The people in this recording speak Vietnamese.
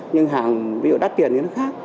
nhưng hàng ví dụ đắt tiền thì nó khác